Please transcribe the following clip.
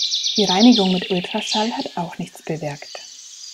Die Reinigung mit Ultraschall hat auch nichts bewirkt.